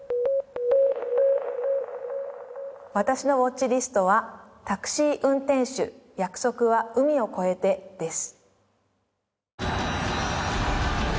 私のＷａｔｃｈＬＩＳＴは「タクシー運転手約束は海を越えて」です